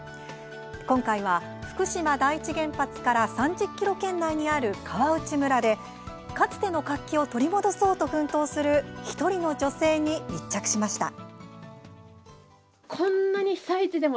今回は、福島第一原発から３０ｋｍ圏内にある川内村でかつての活気を取り戻そうと奮闘する１人の女性に密着しました。